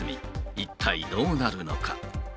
一体どうなるのか。